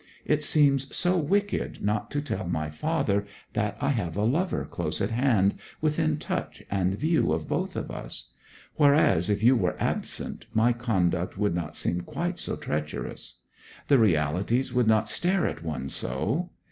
It seems so wicked not to tell my father that I have a lover close at hand, within touch and view of both of us; whereas if you were absent my conduct would not seem quite so treacherous. The realities would not stare at one so.